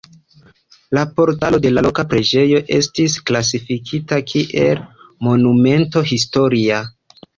La portalo de la loka preĝejo estis klasifikita kiel Monumento historia.